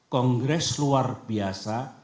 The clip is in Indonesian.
kongres luar biasa